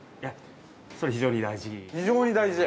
◆それ、非常に大事。